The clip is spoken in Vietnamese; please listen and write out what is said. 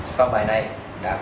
sau bài này đã có